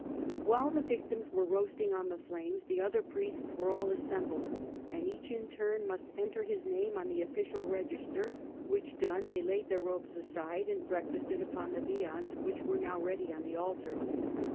While the victims were roasting on the flames, the other priests were all assembling, and each in turn must enter his name on the official register ; which done, they laid their robes aside and breakfasted upon the viands which were now ready on the altars.